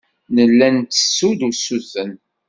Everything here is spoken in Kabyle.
Nella nttessu-d usuten.